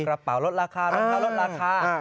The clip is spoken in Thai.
กระเป๋าลดราคาลำค่า